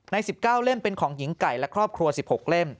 ๑๙เล่มเป็นของหญิงไก่และครอบครัว๑๖เล่ม